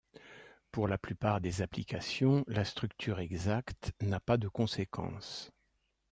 Pour la plupart des applications, la structure exacte n'a pas de conséquences.